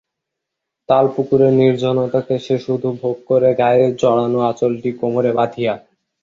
তালপুকুরের নির্জনতাকে সে শুধু ভোগ করে গায়ে জড়ানো আঁচলটি কোমরে বধিয়া।